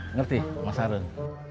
ngerti mas harun